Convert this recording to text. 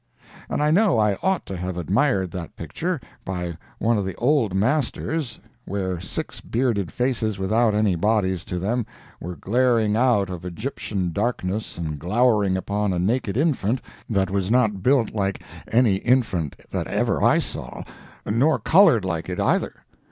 And I know I ought to have admired that picture, by one of the old masters, where six bearded faces without any bodies to them were glaring out of Egyptian darkness and glowering upon a naked infant that was not built like any infant that ever I saw, nor colored like it, either.